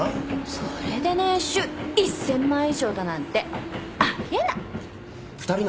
それで年収１０００万以上だなんてありえない！